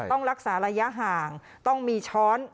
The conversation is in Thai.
ต้องรักษาระยะห่างต้องมีช้อน